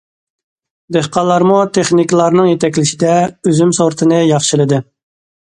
دېھقانلارمۇ تېخنىكلارنىڭ يېتەكلىشىدە ئۈزۈم سورتىنى ياخشىلىدى.